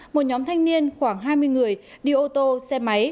một nhóm thanh niên khoảng hai mươi người đi ô tô xe máy